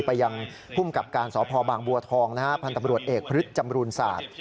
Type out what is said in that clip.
พุ่มกับการสอบพบางบัวทองพันธุ์ตำรวจเอกพฤษจำรูญศาสตร์